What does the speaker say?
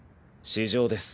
私情です。